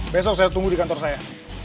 besok saya tunggu di kantor saya